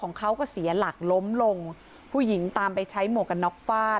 ของเขาก็เสียหลักล้มลงผู้หญิงตามไปใช้หมวกกันน็อกฟาด